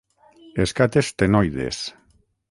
Escates ctenoides.